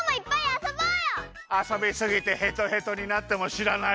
あそびすぎてヘトヘトになってもしらないよ？